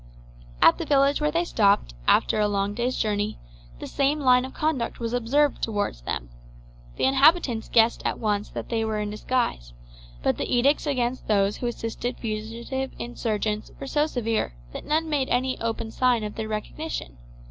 At the village where they stopped, after a long day's journey, the same line of conduct was observed towards them. The inhabitants guessed at once that they were in disguise; but the edicts against those who assisted fugitive insurgents were so severe that none made any open sign of their recognition.